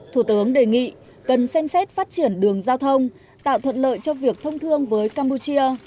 thủ tướng đề nghị cần xem xét phát triển đường giao thông tạo thuận lợi cho việc thông thương với campuchia